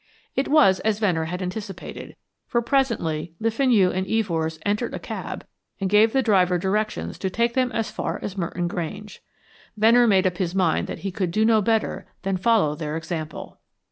It was as Venner had anticipated, for presently Le Fenu and Evors entered a cab and gave the driver directions to take them as far as Merton Grange. Venner made up his mind that he could do no better than follow their example.